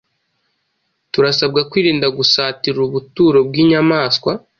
Turasabwa kwirinda gusatira ubuturo bw’inyamaswa